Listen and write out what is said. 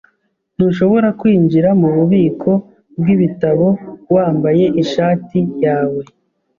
Ntushobora kwinjira mububiko bwibitabo wambaye ishati yawe.